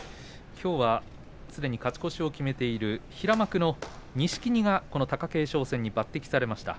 きょうはすでに勝ち越しを決めている錦木が貴景勝戦に抜てきされました。